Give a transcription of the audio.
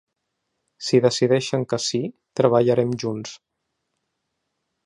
Si decideixen que ‘sí’, treballarem junts.